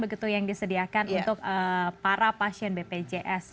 begitu yang disediakan untuk para pasien bpjs